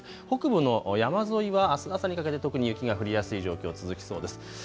北部の山沿いはあす朝にかけて特に雪が降りやすい状況、続きそうです。